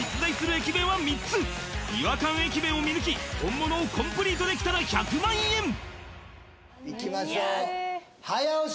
駅弁を見抜き本物をコンプリートできたら１００万円いきましょう早押し